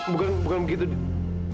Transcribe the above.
bukan bukan begitu dile